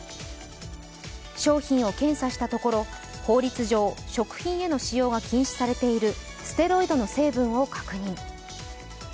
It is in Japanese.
商品を検査したところ法律上食品への使用が禁止されているステロイドの成分を確認。